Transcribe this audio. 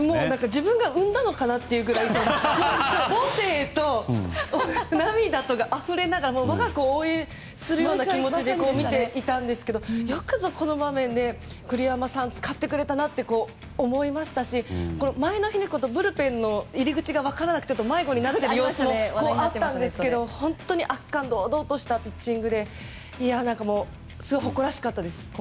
自分が生んだのかなっていうくらい母性と涙とがあふれながら我が子を応援するような気持ちで見ていたんですがよくぞこの場面で栗山さん、使ってくれたなって思いましたし、前の日にブルペンの入り口がわからなくて迷子になった様子もあったんですけど本当に圧巻、堂々としたピッチングで誇らしかったです。